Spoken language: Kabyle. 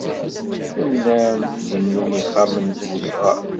Tellam tbennum ixxamen s wesɣar.